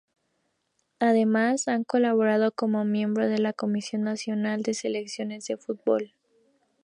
Además, ha colaborado como miembro de la Comisión Nacional de Selecciones de Fútbol.